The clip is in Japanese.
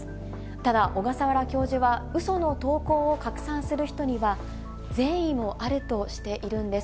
ただ、小笠原教授はうその投稿を拡散する人には、善意もあるとしているんです。